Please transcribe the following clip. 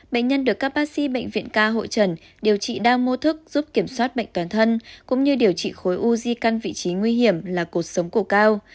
bệnh nhân được các bác sĩ bệnh viện ca hội trần điều trị đa mô thức giúp kiểm soát bệnh toàn thân cũng như điều trị khối u di căn vị trí nguy hiểm là cuộc sống của cao